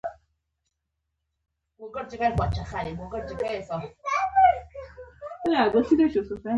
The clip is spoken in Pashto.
ده جميله او جميله وه ده ته مسکی شول.